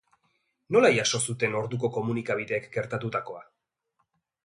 Nola jaso zuten orduko komunikabideek gertatutakoa?